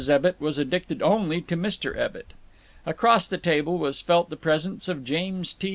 Ebbitt was addicted only to Mr. Ebbitt. Across the table was felt the presence of James T.